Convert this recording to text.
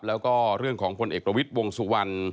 แล้วก็เรื่องของพลเอกประวิทย์วงสุวรรณ